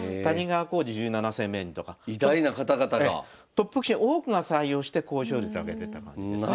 トップ棋士の多くが採用して高勝率挙げてった感じですね。